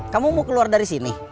kamu mau keluar dari sini